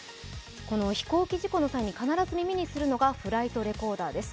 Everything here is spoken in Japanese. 飛行機事故の際に必ず耳にするのがフライトレコーダーです。